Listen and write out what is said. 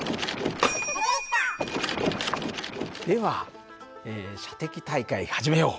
では射的大会始めよう。